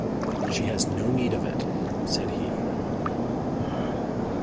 "She has no need of it," said he.